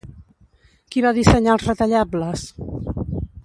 Qui va dissenyar els retallables?